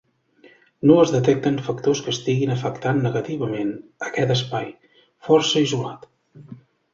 No es detecten factors que estiguin afectant negativament aquest espai, força isolat.